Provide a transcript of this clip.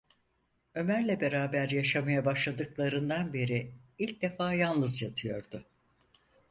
Ömer’le beraber yaşamaya başladıklarından beri ilk defa yalnız yatıyordu.